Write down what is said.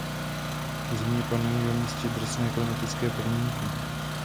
V zimě panují ve městě drsné klimatické podmínky.